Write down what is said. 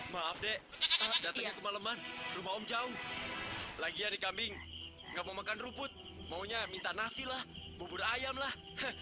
maaf dek datangnya kemaleman rumah om jauh lagi hari kambing nggak mau makan rumput maunya minta nasi lah bubur ayam lah